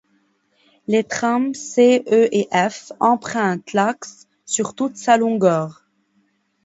Les trams C, E et F empruntent l'axe sur toute sa longueur.